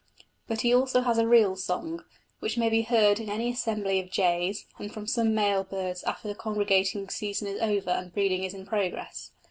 But he also has a real song, which may be heard in any assembly of jays and from some male birds after the congregating season is over and breeding is in progress.